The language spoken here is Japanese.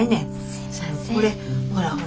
これほらほら見て。